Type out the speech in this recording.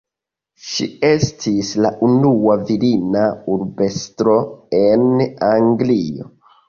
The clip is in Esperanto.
Ŝi estis la unua virina urbestro en Anglio.